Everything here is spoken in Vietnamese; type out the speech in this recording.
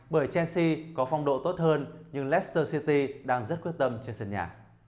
bởi chelsea có phong độ tốt hơn nhưng leicester city đang rất quyết tâm trên sân nhà